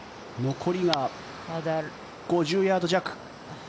残りが５０ヤード弱。